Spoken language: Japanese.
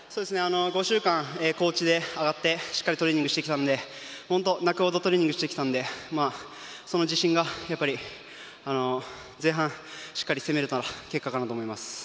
５週間、高地に上がってしっかりトレーニングしてきたので本当、泣くほどトレーニングしてきたのでその自信が前半しっかり攻めれた結果かなと思います。